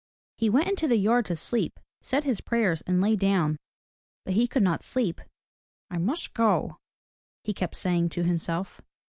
He went into the yard to sleep, said his prayers and lay down. But he could not sleep. "I must go," he kept saying to himself.